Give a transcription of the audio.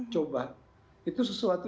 coba itu sesuatu